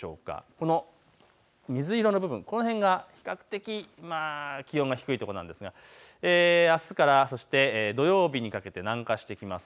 この水色の部分、この辺が比較的気温が低い所なんですがあすから土曜日にかけて南下してきます。